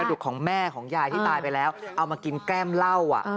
ดุกของแม่ของยายที่ตายไปแล้วเอามากินแก้มเหล้า